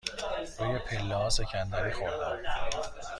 روی پله ها سکندری خوردم.